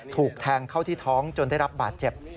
ถูกแทงเข้าที่ท้องจนได้รับบาดเจ็บ